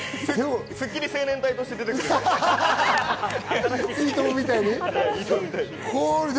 スッキリ青年隊として出てくるので。